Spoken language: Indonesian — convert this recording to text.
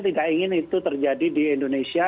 tidak ingin itu terjadi di indonesia